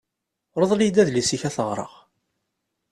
Rḍel-iyi-d adlis-ik ad t-ɣreɣ.